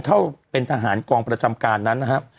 เข้าเป็นทหารกองประจำการนั้นนะครับ